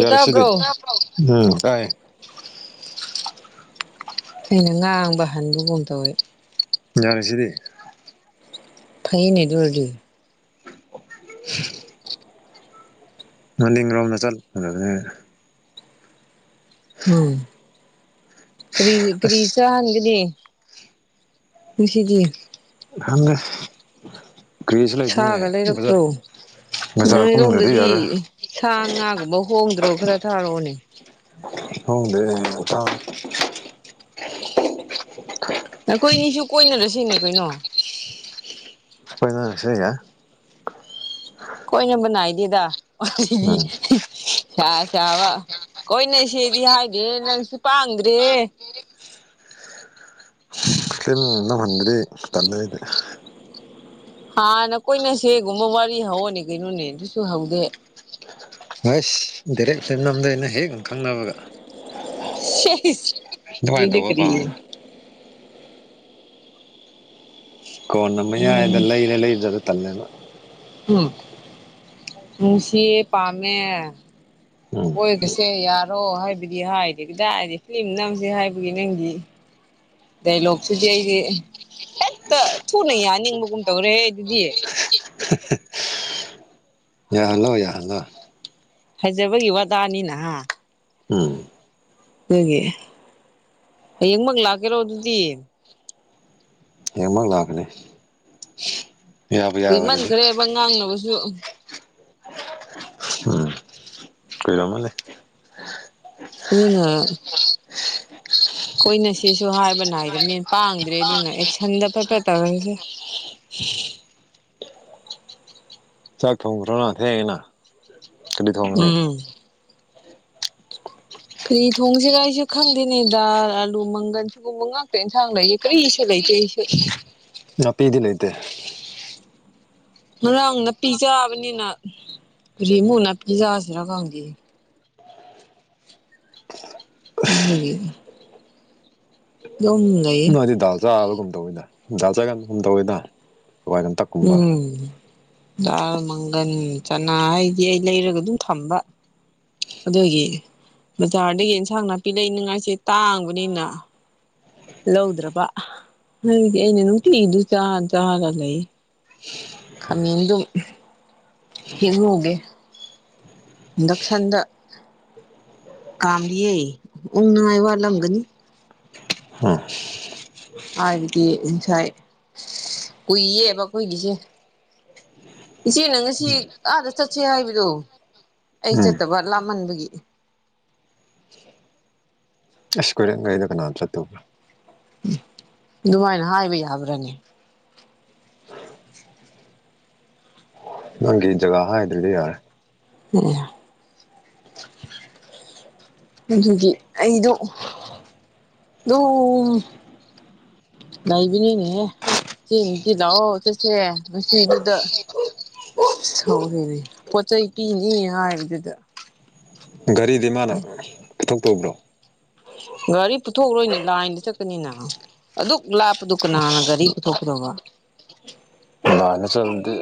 ꯌꯥꯔꯁꯤꯗꯤ ꯇꯥꯕ꯭ꯔꯣ ꯎꯝ ꯇꯥꯏ ꯑꯩꯅ ꯉꯥꯡꯕ ꯍꯟꯕꯒꯨꯝ ꯇꯧꯏ ꯌꯥꯔꯤꯁꯤꯗꯤ ꯐꯩꯅꯦ ꯑꯗꯨ ꯑꯣꯏꯔꯗꯤ [unintelligible] ꯃꯅꯤꯡꯔꯣꯝꯗ ꯆꯠꯂꯗꯕꯅꯦ ꯎꯝ ꯀꯔꯤ ꯑꯁ ꯀꯔꯤꯆꯥ ꯍꯟꯒꯅꯤ ꯉꯁꯤꯒꯤ ꯈꯪꯉꯤ ꯁꯥꯒ ꯂꯩꯔꯛꯇ꯭ꯔꯣ ꯕꯖꯥꯔ ꯀꯨꯝꯗ꯭ꯔꯗꯤ ꯅꯣꯏꯔꯣꯝꯗꯗꯤ ꯌꯥꯔꯣꯏ ꯁꯥ ꯉꯥꯒꯨꯝꯕ ꯍꯣꯡꯗ꯭ꯔꯣ ꯈꯔ ꯊꯥꯔꯛꯑꯣꯅꯦ [unintelligible] [unintelligible] ꯑꯈꯣꯏꯅꯤꯁꯨ ꯀꯣꯏꯅꯔꯁꯤꯅꯦ ꯀꯩꯅꯣ ꯀꯣꯏꯅꯔꯁꯨ ꯌꯥꯏ ꯀꯣꯏꯅꯕ ꯅꯥꯏꯗꯦꯗ ꯎꯝ [unintelligible] ꯁꯥ ꯆꯥꯕ ꯀꯣꯏꯅꯁꯦꯗꯤ ꯍꯥꯏꯗꯦ ꯅꯪꯁꯨ ꯄꯥꯡꯗ꯭ꯔꯦ ꯍꯦ ꯅꯥ ꯍꯟꯗꯗꯤ ꯇꯜꯂꯦ ꯑꯩꯗꯤ ꯍꯥꯟꯅ ꯀꯣꯏꯅꯁꯦꯒꯨꯝꯕ ꯋꯥꯔꯤ ꯍꯧꯑꯣꯅꯦ ꯀꯩꯅꯣꯅꯦ ꯑꯗꯨꯁꯨ ꯍꯧꯗꯦ ꯍꯁ ꯗꯥꯏꯔꯦꯛꯁꯦ ꯅꯝꯗ ꯑꯩꯅ ꯍꯦꯛ ꯈꯪꯅꯕꯒ ꯁꯤꯁ ꯑꯗꯨꯃꯏꯟ ꯇꯧꯕ ꯄꯥꯥꯝꯕ ꯀꯣꯟꯅ ꯃꯌꯥꯏꯗ ꯎꯝ ꯂꯩꯔꯦ ꯂꯩꯔ ꯇꯜꯂꯦꯕ ꯎꯝ ꯅꯨꯡꯁꯤꯌꯦ ꯄꯥꯝꯃꯦ ꯎꯝ ꯀꯣꯏꯅꯁꯦ ꯌꯥꯔꯣ ꯍꯥꯏꯕꯗꯤ ꯍꯥꯏꯗꯕꯤꯗ ꯑꯩꯅ ꯐꯤꯂꯝ ꯅꯝꯁꯦ ꯍꯥꯏꯕꯒꯤ ꯅꯪꯗꯤ ꯗꯥꯏꯂꯣꯛꯁꯤꯗꯤ ꯑꯩꯗꯤ ꯍꯦꯛꯇ ꯊꯨꯅ ꯌꯥꯅꯤꯡꯕꯒꯨꯝ ꯇꯧꯔꯦꯍꯦ ꯑꯩꯕꯨꯗꯤ [unintelligible] ꯌꯥꯍꯜꯂꯣ ꯌꯥꯍꯜꯂꯣ ꯐꯥꯖꯕꯒꯤ ꯋꯥꯇꯅꯤꯅ ꯍꯥ ꯎꯝ ꯑꯗꯨꯒꯤ ꯍꯥꯌꯦꯡꯃꯛ ꯂꯥꯛꯀꯦꯔꯣ ꯑꯗꯨꯗꯤ ꯍꯦꯡꯃꯛ ꯂꯥꯛꯀꯅꯤ ꯌꯥꯕꯨ ꯌꯥꯔꯗꯤ ꯀꯨꯏꯃꯟꯈ꯭ꯔꯦꯕ ꯉꯥꯡꯅꯕꯁꯨ ꯎꯝ ꯀꯨꯏꯔꯝꯃꯅꯤ ꯎꯅ [unintelligible] ꯑꯩꯈꯣꯏꯅ ꯁꯤꯁꯨ ꯍꯥꯏꯕꯅ ꯅꯥꯏꯗꯕꯅꯤꯅ ꯄꯥꯡꯗ꯭ꯔꯦ ꯑꯗꯨꯅ ꯑꯦꯛꯁꯟꯗ ꯐꯠ ꯐꯠ ꯇꯧꯔꯁꯦ ꯆꯥꯛ ꯊꯣꯡꯈ꯭ꯔꯣꯅ ꯊꯦꯡꯉꯦꯅ ꯀꯔꯤ ꯊꯣꯡꯒꯅꯤ ꯎꯝ ꯀꯔꯤ ꯊꯣꯡꯁꯤꯔ ꯑꯩꯁꯨ ꯈꯪꯗꯦꯅꯦ ꯗꯥꯜ ꯑꯂꯨ ꯃꯪꯒꯟ ꯁꯨꯒꯨꯝꯕ ꯉꯥꯛꯇ ꯏꯟꯁꯥꯡ ꯂꯩꯌꯦ ꯀꯔꯤꯁꯨ ꯂꯩꯇꯦ ꯑꯩꯁꯨ ꯅꯥꯄꯤꯗꯤ ꯂꯩꯇꯩ ꯉꯔꯥꯡ ꯅꯄꯤ ꯆꯥꯕꯅꯤꯅ ꯍꯨꯖꯤꯛꯃꯨꯛ ꯅꯥꯄꯤ ꯆꯥꯁꯤꯔ ꯈꯪꯗꯦ [unintelligible] ꯑꯗꯨꯝ ꯂꯩꯌꯦ ꯅꯣꯏꯗꯤ ꯗꯥꯜ ꯆꯥꯕꯒꯨꯝ ꯇꯧꯋꯤꯗ ꯗꯥꯜ ꯆꯥꯒꯟꯕꯒꯨꯝ ꯇꯧꯋꯤꯗ [unintelligible] ꯎꯝ ꯗꯥꯜ ꯃꯪꯒꯟ ꯆꯅꯥ ꯍꯥꯏꯗꯤ ꯑꯩ ꯂꯩꯔꯒ ꯑꯗꯨꯝ ꯊꯝꯕ ꯑꯗꯨꯒꯤ ꯕꯖꯥꯔꯗꯒꯤ ꯏꯟꯁꯥꯡ ꯅꯥꯄꯤ ꯂꯩꯅꯤꯡꯉꯥꯏꯁꯦ ꯇꯥꯡꯕꯅꯤꯅ ꯂꯧꯗ꯭ꯔꯕ ꯅꯪꯗꯤ ꯑꯩꯅ ꯅꯨꯡꯇꯤꯒꯤꯗꯨ ꯆꯥꯔ ꯆꯥꯒ ꯂꯩ ꯈꯃꯦꯟꯗꯨꯝ ꯍꯦꯛꯍꯧꯒꯦ ꯏꯟꯗꯛꯁꯟꯗ ꯀꯥꯝꯂꯤꯌꯦ ꯎ ꯅꯨꯡꯉꯥꯏ ꯋꯥꯠꯂꯝꯒꯅꯤ ꯍꯥꯥ ꯍꯥꯏꯕꯗꯤ ꯉꯁꯥꯏ ꯀꯨꯏꯌꯦꯕ ꯑꯈꯣꯏꯒꯤꯁꯦ ꯏꯆꯦꯅ ꯉꯁꯤ ꯑꯥꯗ ꯆꯠꯁꯦ ꯍꯥꯏꯕꯗꯣ ꯑꯩ ꯎꯝ ꯆꯠꯇꯕ ꯂꯥꯞꯃꯟꯕꯒꯤ ꯑꯁ ꯀꯣꯏꯔꯦꯡꯒꯩꯗ ꯀꯅꯥꯝ ꯆꯠꯇꯕ ꯎ ꯑꯗꯨꯃꯥꯏꯅ ꯍꯥꯏꯕ ꯌꯥꯕ꯭ꯔꯅꯦ ꯅꯪꯒꯤ ꯖꯒꯥ ꯍꯍꯥꯏꯗ꯭ꯔꯗꯤ ꯌꯥꯔꯦ [unintelligible] ꯑꯩꯗꯨꯒꯤ ꯑꯩꯗꯣ ꯗꯨꯝ ꯂꯩꯏꯕꯅꯤꯅꯦꯍꯦ ꯆꯦꯡꯗꯤ ꯂꯥꯛꯑꯣ ꯆꯠꯁꯦ ꯉꯁꯤꯗꯨꯗ ꯁꯥꯎꯔꯤꯅꯦ ꯄꯣꯠ ꯆꯩꯩ ꯄꯤꯅꯤ ꯍꯥꯏꯕꯗꯨꯗ ꯒꯥꯔꯤꯗꯤ ꯃꯥꯅ ꯄꯨꯊꯣꯛ ꯇꯧꯕ꯭ꯔꯣ ꯒꯥꯔꯤ ꯄꯨꯊꯣꯛꯎꯔꯣꯏꯅꯦ ꯂꯥꯏꯟꯗ ꯆꯠꯄꯅꯤꯅ ꯑꯗꯨꯛ ꯂꯥꯞꯄꯗꯨ ꯀꯅꯥꯅ ꯒꯥꯔꯤ ꯄꯨꯊꯣꯛꯀꯗꯧꯕ ꯂꯥꯏꯟꯗ ꯆꯠꯂꯗꯤ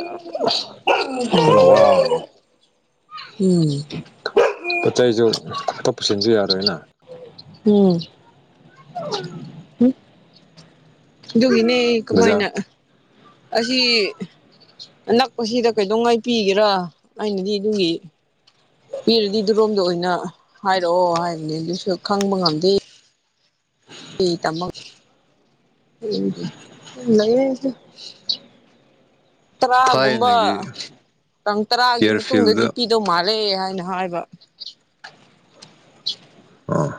ꯐꯖꯅ ꯋꯥꯕꯅꯤ ꯎꯝ ꯄꯣꯠ ꯆꯩꯁꯨ ꯑꯇꯣꯞ ꯄꯨꯁꯤꯟꯕ ꯌꯥꯔꯣꯏꯅ ꯎꯝ [unintelligible] ꯑꯗꯨꯒꯤꯅꯦ ꯕꯖꯥꯔ ꯀꯃꯥꯏꯅ ꯑꯁꯤ ꯑꯅꯛꯄꯁꯤꯗ ꯀꯩꯗꯧꯉꯩ ꯄꯤꯒꯦꯔꯥ ꯑꯩꯅꯗꯤ ꯑꯗꯨꯒꯤ ꯄꯤꯔꯗꯤ ꯑꯗꯨꯔꯣꯝꯗ ꯑꯣꯏꯅ ꯍꯥꯏꯔꯛꯑꯣ ꯍꯥꯏꯕꯅꯦ ꯑꯗꯨꯁꯨ ꯈꯪꯕ ꯉꯝꯗꯦ ꯑꯩ ꯇꯃ ꯌꯨꯝ ꯂꯩꯌꯩ ꯑꯩꯁꯨ ꯇꯔꯥꯒꯨꯝꯕ ꯊꯥꯏꯅꯒꯤ ꯇꯥꯡ ꯇꯔꯥꯒꯤ ꯏꯌꯥꯔꯐꯤꯜꯗ ꯃꯇꯨꯡꯗꯗꯤ ꯄꯤꯗꯧ ꯃꯥꯜꯂꯦ ꯍꯥꯏꯅ ꯍꯥꯏꯕ ꯑꯥ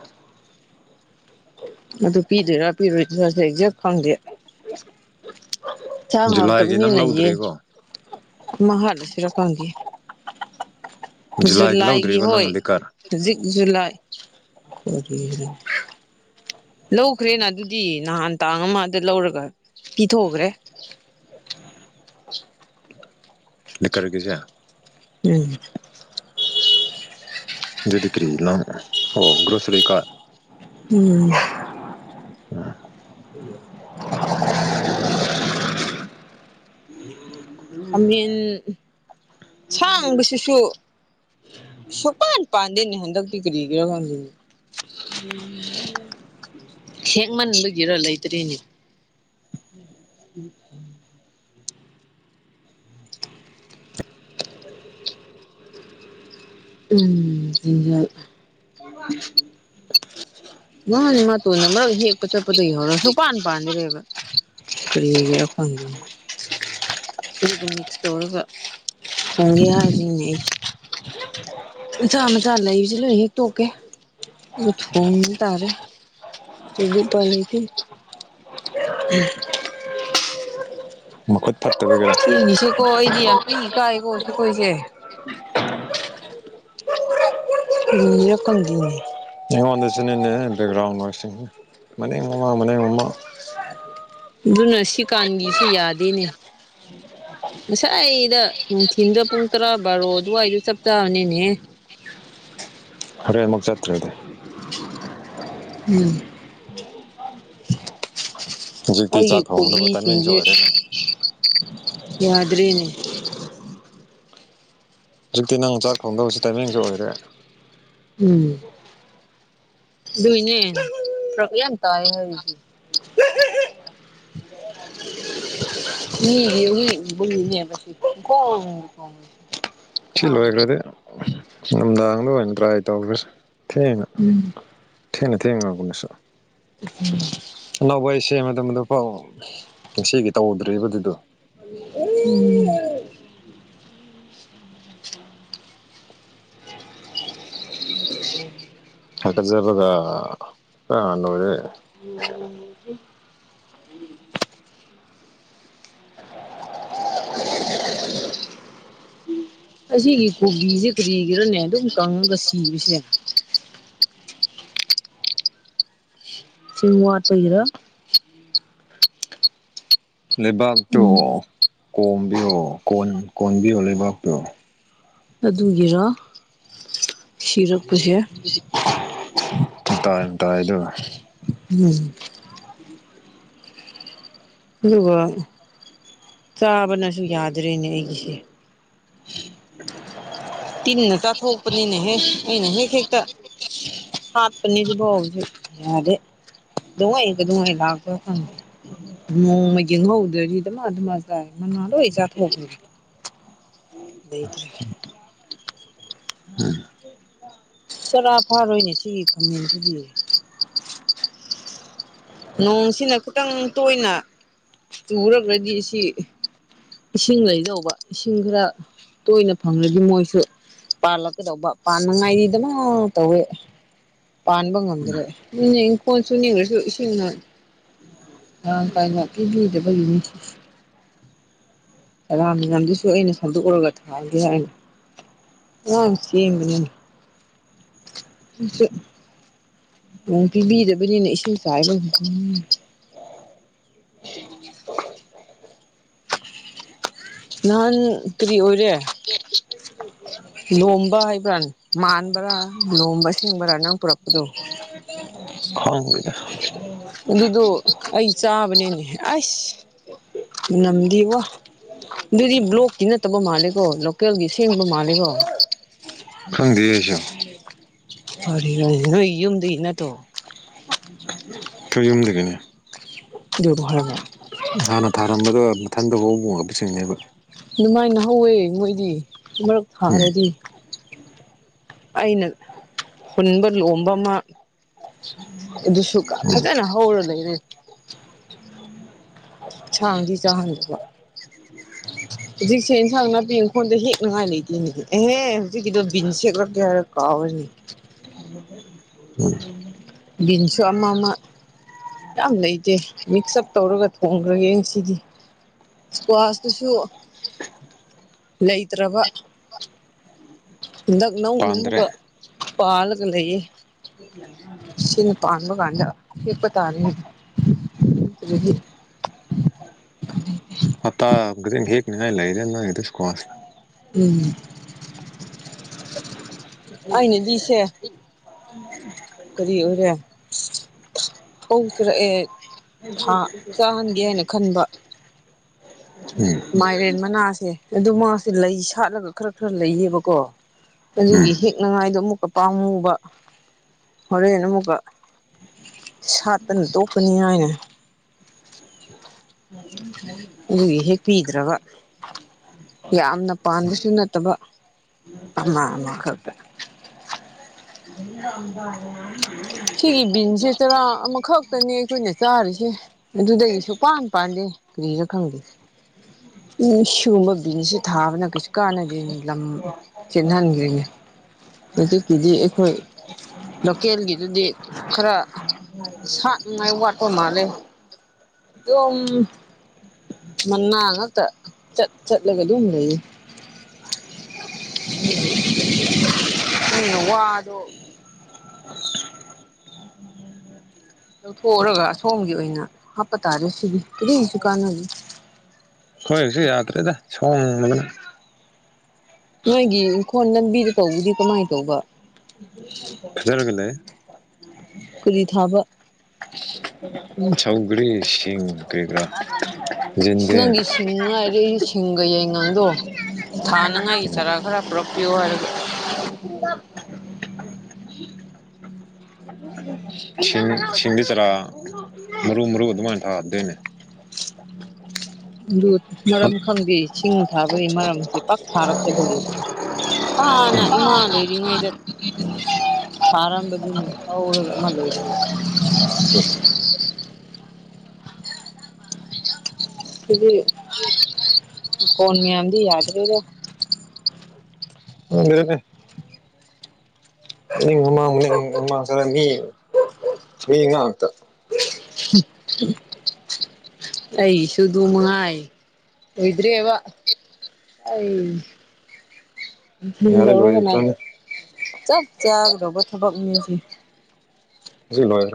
ꯑꯗꯨ ꯄꯤꯗꯣꯏꯔꯥ ꯄꯤꯔꯣꯏꯗꯔ ꯑꯦꯛꯖꯦꯛ ꯈꯪꯗꯦ ꯑꯦꯟꯁꯥꯡ ꯖꯨꯂꯥꯏꯒꯤ ꯅꯪ ꯍꯥꯎꯇꯕꯅꯤꯅ ꯌꯦꯟ ꯂꯧꯗ꯭ꯔꯤꯀꯣ ꯑꯃ ꯍꯥꯠꯂꯁꯤꯔ ꯈꯪꯗꯦ ꯖꯨꯂꯥꯏꯒꯤ ꯂꯧꯗ꯭ꯔꯤꯀꯣ ꯅꯪ ꯍꯣꯏ ꯂꯤꯀꯔ ꯍꯧꯖꯤꯛ ꯖꯨꯂꯥꯏ ꯂꯧꯈ꯭ꯔꯦꯅ ꯑꯗꯨꯗꯤ ꯅꯍꯥꯟ ꯇꯥꯡ ꯑꯃꯗ ꯂꯧꯔꯒ ꯄꯤꯊꯣꯛꯈ꯭ꯔꯦ ꯂꯤꯀꯔꯒꯤꯁꯦ ꯎꯝ ꯗꯨꯗꯤ ꯀ꯭ꯔꯤ ꯅꯪ ꯑꯣ ꯒ꯭ꯔꯣꯁꯔꯤ ꯀꯥꯔꯠ ꯎꯝ ꯎ [unintelligible] ꯈꯃꯦꯟ ꯁꯥꯡꯕꯁꯤꯁꯨ ꯁꯨꯛꯄꯥꯟꯅ ꯄꯥꯟꯗꯅꯦ ꯍꯟꯗꯛꯇꯤ ꯀꯔꯤꯒꯤꯔ ꯈꯪꯗꯅꯦ ꯎꯝ [inaudible] ꯍꯦꯛꯃꯟꯕꯒꯤꯔ ꯂꯩꯇ꯭ꯔꯦꯅꯦ ꯎꯝ ꯎꯝ [unintelligible] ꯃꯥꯅꯦ ꯃꯥ ꯇꯣꯟꯅ ꯃꯔꯛ ꯍꯦꯛꯄ ꯆꯠꯄꯗꯒꯤ ꯍꯧꯔ ꯁꯨꯛꯄꯥꯟ ꯄꯥꯟꯗꯔꯦꯕ ꯀꯔꯤꯒꯤ ꯈꯡꯗꯔꯤꯅꯣ ꯑꯗꯨꯒ ꯃꯤꯛꯁ ꯇꯧꯔꯒ ꯊꯣꯡꯒꯦ ꯍꯥꯏꯕꯅꯤꯅꯦ ꯑꯩꯁꯦ [unintelligible] ꯃꯆꯥ ꯃꯆꯥ ꯂꯩꯕꯁꯤ ꯂꯣꯏ ꯍꯦꯛ ꯇꯣꯛꯀꯦ ꯑꯗꯨꯒ ꯊꯣꯡꯕ ꯇꯥꯔꯦ ꯎꯄꯥꯏ ꯂꯩꯇꯦ ꯃꯈꯨꯠ ꯐꯠꯇꯕꯒꯤꯔꯣ ꯏꯅꯤꯁꯤꯀꯣ ꯑꯩꯗꯤ ꯌꯥꯝ ꯏ ꯀꯥꯏꯀꯣ ꯑꯈꯣꯏꯁꯦ [inaudible] ꯑꯩꯉꯣꯟꯗꯁꯨꯅꯤꯅꯦ ꯕꯦꯛꯒ꯭ꯔꯥꯎꯟ ꯅꯣꯏꯁꯤ ꯃꯅꯤꯡ ꯃꯃꯥꯡ ꯃꯅꯤꯡ ꯃꯃꯥꯡ ꯑꯗꯨꯅ ꯁꯤꯀꯥꯟꯒꯤꯁꯨ ꯌꯥꯗꯦꯅꯦ [unintelligible] ꯉꯁꯥꯏꯗ ꯅꯨꯡꯊꯤꯜꯗ ꯄꯨꯡ ꯇꯔꯥ ꯕꯥꯔꯣ ꯑꯗꯨꯋꯥꯏꯗꯨ ꯆꯞ ꯆꯥꯕꯅꯤꯅꯦ ꯍꯣꯔꯦꯟ ꯑꯃꯨꯛ ꯆꯠꯇ꯭ꯔꯗꯤ ꯎꯝ [unintelligible] ꯑꯩꯒꯤ ꯊꯣꯡꯒꯗꯕ ꯇꯥꯏꯃꯤꯡꯁꯨ ꯀꯣꯕꯤꯁꯤꯡꯁꯦ ꯑꯣꯏꯔꯦ ꯌꯥꯗ꯭ꯔꯦꯅꯦ ꯍꯧꯖꯤꯛꯇꯤ ꯅꯪ ꯆꯥꯛ ꯊꯣꯡꯗꯧꯁꯨ ꯇꯥꯏꯃꯤꯡꯁꯨ ꯑꯣꯏꯔꯦ ꯎꯝ ꯑꯗꯨꯏꯅꯦ ꯐꯔꯛ ꯌꯥꯝ ꯇꯥꯏ ꯍꯥꯏꯔꯤꯗꯨ [unintelligible] [unintelligible] ꯁꯤ ꯂꯣꯏꯒꯔꯗꯤ ꯅꯨꯡꯗꯥꯡꯗ ꯑꯣꯏꯅ ꯇ꯭ꯔꯥꯏ ꯇꯧꯈ꯭ꯔꯁꯦ ꯊꯦꯡꯅ ꯎꯝ ꯊꯦꯡꯅ ꯊꯦꯡꯉꯒꯨꯅꯤꯁ ꯎꯝ ꯑꯅꯧꯕ ꯑꯩ ꯁꯦꯝ ꯃꯇꯝꯗ ꯄꯥꯎ ꯉꯁꯤꯒꯤ ꯇꯧꯗ꯭ꯔꯤꯕꯔꯤꯕꯗꯨꯗꯣ ꯎꯝ [inaudible] [inaudible] [unintelligible] [inaudible] [inaudible] ꯑꯁꯤꯒꯤ ꯀꯣꯕꯤꯁꯦ ꯀꯔꯤꯒꯤꯔꯅꯦ ꯑꯗꯨꯝ ꯀꯪꯉꯒ ꯁꯤꯕꯁꯦ ꯏꯁꯤꯡ ꯋꯥꯠꯄꯒꯤꯔ ꯂꯩꯕꯥꯛꯇꯣ ꯎꯝ ꯀꯣꯝꯕꯤꯌꯣ ꯀꯣꯟ ꯀꯣꯟꯕꯤꯌꯣ ꯂꯩꯕꯥꯛꯇꯣ ꯑꯗꯨꯒꯤꯔ ꯁꯤꯔꯛꯄꯁꯦ ꯃꯇꯥꯏ ꯃꯇꯥꯏ ꯗꯨ [unintelligible] [inaudible] ꯑꯗꯨꯒ ꯆꯥꯕꯅꯁꯨ ꯌꯥꯗ꯭ꯔꯦꯅꯦ ꯑꯩꯒꯤꯁꯦ ꯇꯤꯟꯅ ꯆꯥꯊꯣꯛꯄꯅꯤꯅꯦ ꯍꯦ ꯑꯩꯅ ꯍꯦꯛ ꯍꯦꯛꯇ ꯍꯥꯠꯄꯅꯤ ꯑꯗꯨ ꯐꯥꯎ ꯍꯧꯖꯤꯛ ꯌꯥꯗꯦ [unintelligible] ꯅꯣꯡꯃ ꯌꯦꯡꯍꯧꯗ꯭ꯔꯗꯤ ꯗꯃꯥ ꯗꯃꯥ ꯆꯥꯏ ꯃꯅꯥ ꯂꯣꯏ ꯆꯥꯊꯣꯛꯈ꯭ꯔꯦ ꯂꯩꯇ꯭ꯔꯦ ꯆꯔꯥ ꯐꯥꯔꯣꯏꯅꯦ ꯁꯤꯒꯤ ꯈꯥꯃꯦꯟꯁꯤꯗꯤ ꯅꯣꯡꯁꯤꯅ ꯈꯤꯇꯪ ꯇꯣꯏꯅ ꯆꯨꯔꯒꯗꯤ ꯁꯤ ꯏꯁꯤꯡ ꯂꯩꯗꯧꯕ ꯏꯁꯤꯡ ꯈꯔ ꯇꯣꯏꯅ ꯐꯪꯂꯗꯤ ꯃꯣꯏꯁꯨ ꯄꯥꯜꯂꯛꯀꯗꯧꯕ ꯄꯥꯅꯉꯥꯏꯗꯤ ꯗꯃꯥ ꯇꯧꯋꯦ ꯄꯥꯟꯕ ꯉꯝꯗ꯭ꯔꯦ ꯑꯗꯨꯅꯦ ꯏꯪꯈꯣꯜꯁꯨꯅꯦ ꯀꯔꯤꯁꯨ ꯏꯁꯤꯡꯅ ꯃꯔꯥꯟ ꯀꯥꯏꯅ ꯄꯤꯕꯤꯗꯕꯒꯤꯅꯦ ꯔꯥꯝꯃꯤꯅꯝꯗꯨꯁꯨ ꯑꯩꯅ ꯁꯟꯗꯣꯛꯎꯔꯒ ꯊꯥꯒꯦ ꯍꯥꯏꯅ ꯑꯉꯥꯡ ꯆꯦꯟꯕꯅꯤꯅꯦ [inaudible] ꯅꯣꯡ ꯄꯤꯕꯤꯗꯕꯅꯤꯅ ꯏꯁꯤꯡ ꯆꯥꯏꯕ [inaudible] ꯅꯍꯥꯟ ꯀꯔꯤ ꯑꯣꯏꯔꯦ ꯂꯣꯝꯕ ꯍꯥꯏꯕ꯭ꯔꯥ ꯃꯥꯟꯕ꯭ꯔꯥ ꯂꯣꯝꯕ ꯁꯦꯡꯕ꯭ꯔꯥ ꯅꯪ ꯄꯨꯔꯛꯄꯗꯨ [inaudible] [unintelligible] ꯑꯗꯨꯗꯣ ꯑꯩ ꯆꯥꯕꯅꯤꯅꯦ ꯑꯩꯁ ꯃꯅꯝꯗꯤ ꯋꯥ ꯑꯗꯨꯗꯤ ꯕ꯭ꯂꯣꯛꯀꯤ ꯅꯠꯇꯕ ꯃꯥꯜꯂꯦꯀꯣ ꯂꯣꯀꯦꯜꯒꯤ ꯁꯦꯡꯕ ꯃꯥꯜꯂꯦꯀꯣ ꯈꯪꯗꯦ ꯑꯩꯁꯨ ꯀꯔꯤꯔꯅꯦ ꯅꯣꯏ ꯌꯨꯝꯗꯒꯤ ꯅꯠꯇ꯭ꯔꯣ ꯑꯩꯈꯣꯏ ꯌꯨꯝꯗꯒꯤꯅꯦ ꯗꯨꯕꯨ [unintelligible] ꯍꯥꯟꯅ ꯊꯥꯔꯝꯕꯗꯣ ꯃꯊꯟꯗ ꯍꯣꯃꯣ [unintelligible] ꯗꯨꯃꯥꯏꯅ ꯍꯧꯋꯦ ꯃꯣꯏꯗꯤ ꯃꯔꯛ ꯎꯝ ꯊꯥꯔꯗꯤ ꯑꯩꯅ ꯍꯨꯟꯕ ꯂꯣꯝꯕ ꯑꯃ ꯑꯗꯨꯁꯨ ꯐꯖꯅ ꯍꯧꯔ ꯂꯩꯔꯦ ꯁꯥꯡꯗꯤ ꯆꯥꯍꯟꯗꯕ ꯍꯧꯖꯤꯛꯁꯦ ꯏꯟꯁꯥꯡ ꯅꯥꯄꯤ ꯏꯪꯈꯣꯜꯗ ꯍꯦꯛꯅꯉꯥꯏ ꯂꯩꯇꯦꯅꯦ ꯑꯦꯍꯦ ꯍꯧꯖꯤꯛꯀꯤꯗꯣ ꯕꯤꯟ ꯍꯦꯛꯂꯛꯀꯦ ꯍꯥꯏꯔ ꯀꯥꯥꯎꯋꯦꯅꯦ [inaudible] ꯕꯤꯟꯁꯨ ꯑꯃꯥ ꯃꯥ ꯌꯥꯝ ꯂꯩꯇꯦ ꯃꯤꯛꯁ ꯎꯞ ꯇꯧꯔꯒ ꯊꯣꯡꯈ꯭ꯔꯒꯦ ꯉꯁꯤꯗꯤ ꯏꯁꯀ꯭ꯋꯥꯁꯇꯨꯁꯨ ꯂꯩꯇ꯭ꯔꯕ ꯍꯟꯗꯛ ꯅꯧꯅꯥ ꯄꯥꯟꯗ꯭ꯔꯦ ꯑꯃꯨꯛꯀꯥ ꯄꯥꯜꯂꯥꯒ ꯂꯩꯌꯦ ꯁꯤꯅ ꯄꯥꯟꯕ ꯒꯥꯟꯗ ꯍꯦꯛꯄꯥ ꯇꯥꯔꯦꯅꯦ ꯍꯧꯖꯤꯛꯇꯤ [unintelligible] ꯎꯝ ꯑꯩꯅꯗꯤꯁꯦ [inaudible] ꯀꯔꯤ ꯑꯣꯏꯔꯦ [unintelligible] ꯊꯥ ꯆꯥꯍꯟꯒꯦ ꯍꯥꯏꯅ ꯈꯟꯕ [unintelligible] ꯎꯝ ꯃꯥꯏꯔꯦꯟ ꯃꯅꯥꯁꯦ ꯑꯗꯨ ꯃꯥꯁꯦ ꯂꯩ ꯁꯥꯠꯂꯒ ꯈꯔ ꯈꯔ ꯂꯩꯌꯦꯕꯀꯣ ꯎꯝ ꯑꯗꯨꯒꯤ ꯍꯦꯛꯅꯉꯥꯏꯗꯣ ꯑꯃꯨꯛꯀ ꯄꯥꯝꯃꯨꯕ ꯍꯣꯔꯦꯟ ꯑꯃꯨꯛꯀ ꯁꯥꯠꯇꯅ ꯇꯣꯛꯀꯅꯤ ꯍꯥꯏꯅ ꯑꯗꯨꯒꯤ ꯍꯦꯛꯄꯤꯗ꯭ꯔꯒꯥ ꯌꯥꯝꯅ ꯄꯥꯟꯕꯁꯨ ꯅꯠꯇꯕ ꯑꯃ ꯑꯃ ꯈꯛꯇ [unintelligible] ꯁꯤꯒꯤ ꯕꯤꯟꯁꯦ ꯆꯔꯥ ꯑꯃꯈꯛꯇꯅꯦ ꯑꯩꯈꯣꯏꯅ ꯆꯥꯔꯤꯁꯦ ꯑꯗꯨꯗꯒꯤ ꯁꯨꯄꯥꯟ ꯄꯥꯟꯗꯦ ꯀꯔꯤꯁꯨ ꯈꯪꯗꯦ ꯎꯝ ꯁꯤꯒꯨꯝꯕ ꯕꯤꯟꯁꯁꯤ ꯊꯥꯕꯅ ꯀꯩꯁꯨ ꯀꯥꯟꯅꯗꯦ ꯂꯝ ꯆꯦꯟꯍꯟꯒ꯭ꯔꯤꯅꯤ ꯍꯧꯖꯤꯛꯀꯤꯗꯤ ꯑꯩꯈꯣꯏ ꯂꯣꯀꯦꯜꯒꯤ ꯑꯗꯨꯗꯤ ꯈꯔ ꯁꯥꯠꯅꯤꯡꯉꯥꯏ ꯋꯥꯠꯄ ꯃꯥꯜꯂꯦ ꯑꯗꯨꯝ ꯃꯅꯥ ꯉꯥꯛꯇꯥ ꯆꯠ ꯆꯠꯂꯒ ꯑꯗꯨꯝ ꯂꯩ ꯎꯝ ꯋꯥꯗꯣ ꯂꯧꯊꯣꯛꯎꯔꯒ ꯑꯁꯣꯝꯒꯤ ꯑꯣꯏꯅ ꯍꯥꯞꯄ ꯇꯥꯔꯦ ꯁꯤꯗꯤ ꯀꯔꯤꯝꯁꯨ ꯀꯥꯟꯅ‍ꯗꯦ ꯑꯈꫭꯏꯒꯤꯁꯨ ꯌꯥꯗ꯭ꯔꯦꯗ ꯁꯣꯡꯕꯅ ꯅꯣꯏꯒꯤ ꯏꯪꯈꯣꯜ ꯂꯝꯕꯤꯗ ꯇꯧꯕꯗꯤ ꯀꯃꯥꯏꯅ ꯇꯧꯕ ꯐꯖꯔꯒꯥ ꯂꯩ ꯀꯨꯔꯤ ꯊꯥꯕ ꯁꯧꯒ꯭ꯔꯤ ꯁꯤꯡ ꯀꯔꯤ ꯀꯔꯥ ꯌꯦꯟꯗꯦꯝ ꯅꯪꯒꯤ ꯍꯤꯡꯉꯥꯏꯗꫭ ꯁꯤꯡꯒ ꯌꯥꯏꯉꯪꯗꯣ ꯊꯥꯔꯥꯉꯥꯏꯒꯤ ꯆꯔꯥ ꯈꯔ ꯄꯨꯔꯛꯄꯤꯌꯣ ꯍꯥꯏꯒ [unintelligible] [inaudible] ꯁꯤꯡꯗꯤ ꯆꯔꯥ ꯃꯔꯨ ꯃꯔꯨ ꯑꯗꯨꯃꯥꯏꯅ ꯊꯥꯒꯗꯣꯏꯅꯦ ꯑꯗꯨ ꯃꯔꯝ ꯈꯪꯗꯦ ꯁꯤꯡ ꯊꯥꯕꯒꯤ ꯃꯔꯝꯁꯦ ꯄꯥꯛ ꯊꯥꯔꯛꯇꯕꯒꯤ ꯑꯥꯅꯥ ꯏꯃꯥ ꯂꯩꯔꯤꯉꯩꯗ ꯊꯔꯝꯕꯗꯨꯅꯤ ꯇꯧꯔꯒꯥ [unintelligible] ꯁꯤꯗꯤ ꯀꯣꯟ ꯃꯌꯥꯝꯗꯨ ꯌꯥꯗ꯭ꯔꯦꯕꫭ ꯈꯪꯗ꯭ꯔꯦꯅꯦ [unintelligible] ꯎꯝ ꯑꯩꯁꯨ ꯑꯗꯨ ꯃꯉꯥꯏ ꯑꯣꯏꯗ꯭ꯔꯦꯕ ꯑꯩ ꯅꯨꯡꯊꯤꯜ ꯌꯥꯔꯦ ꯇꯧꯔꯒꯥꯅ ꯂꯣꯏꯈ꯭ꯔꯅꯤ ꯆꯞ ꯆꯥꯒꯗꯧꯕ ꯊꯕꯛꯅꯦ ꯑꯁꯤ ꯑꯩ ꯂꯣꯏꯈ꯭ꯔꯦ